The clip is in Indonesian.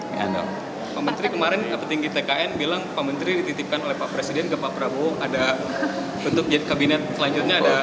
pak menteri kemarin petinggi tkn bilang pak menteri dititipkan oleh pak presiden ke pak prabowo ada untuk jadi kabinet selanjutnya